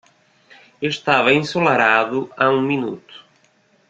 Estava ensolarado há um minuto!